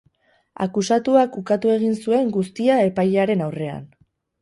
Akusatuak ukatu egin zuen guztia epailearen aurrean.